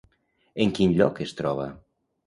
En quin lloc es troba?